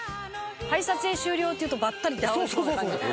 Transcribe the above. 「“はい撮影終了”って言うとバッタリ倒れそうな感じ」